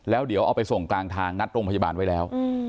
แล้วเดี๋ยวเอาไปส่งกลางทางนัดโรงพยาบาลไว้แล้ว